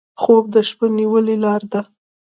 خوب د شپه نیولې لاره ده